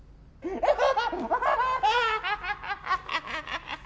ハハハ！